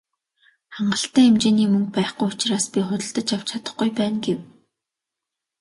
"Хангалттай хэмжээний мөнгө байхгүй учраас би худалдаж авч чадахгүй байна" гэв.